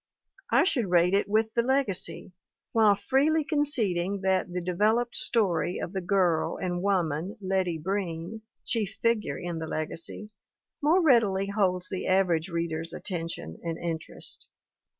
I should rate it with The Legacy while freely conceding that the de 194 THE WOMEN WHO MAKE OUR NOVELS veloped story of the girl and woman, Letty Breen, chief figure in The Legacy, more readily holds the average reader's attention and interest.